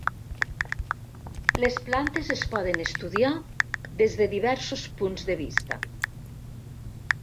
Les plantes es poden estudiar des de diversos punts de vista.